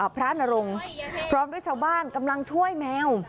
พระนรงค์พร้อมด้วยชาวบ้านกำลังช่วยแมว